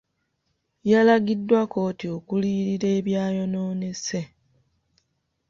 Yalagiddwa kkooti okuliyirira ebyayonoonese.